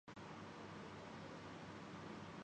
وہ ہنس مارے۔